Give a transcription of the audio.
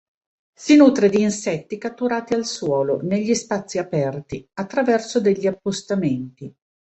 Si nutre di insetti catturati al suolo negli spazi aperti attraverso degli appostamenti.